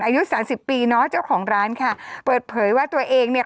อายุสามสิบปีเนาะเจ้าของร้านค่ะเปิดเผยว่าตัวเองเนี่ย